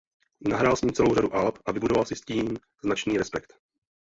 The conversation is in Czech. Nahrál s ním celou řadu alb a vybudoval si tím značný respekt.